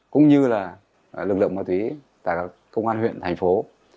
cũng như là lực lượng ma túy tại công an huyện thành phố